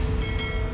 tes dna itu